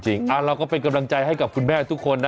เราก็เป็นกำลังใจให้กับคุณแม่ทุกคนนะ